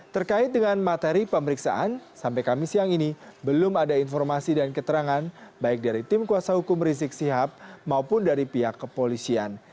terkait dengan materi pemeriksaan sampai kami siang ini belum ada informasi dan keterangan baik dari tim kuasa hukum rizik sihab maupun dari pihak kepolisian